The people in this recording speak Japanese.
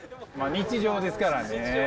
日常ですからね。